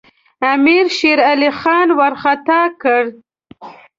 امیر شېرعلي خان وارخطا کړ.